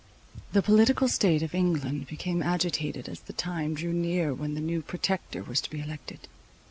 The political state of England became agitated as the time drew near when the new Protector was to be elected.